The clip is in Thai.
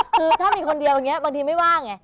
คือถ้ามีคนเดียวอย่างนี้บางทีไม่ว่างไง